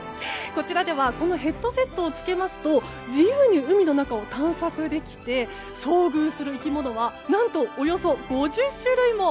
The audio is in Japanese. こちらではこのヘッドセットをつけますと自由に海の中を探索できて遭遇する生き物は何と、およそ５０種類も。